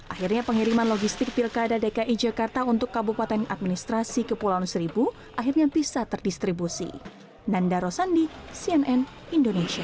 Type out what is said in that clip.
akhirnya pengiriman logistik pilkada dki jakarta untuk kabupaten administrasi kepulauan seribu akhirnya bisa terdistribusi